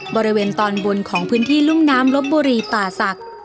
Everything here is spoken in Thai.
บริเวณตอนบนของพื้นที่รุ่มน้ำลบบุรีป่าศักดิ์